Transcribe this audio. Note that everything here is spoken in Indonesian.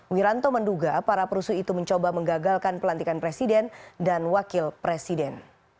wiranto menduga para perusuh itu mencoba menggagalkan pelantikan presiden dan wakil presiden